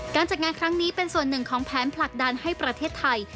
การจัดงานครั้งนี้เป็นส่วนหนึ่งของแผนผลักดันให้ประเทศไทย